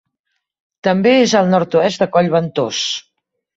També és al nord-oest de Coll Ventós.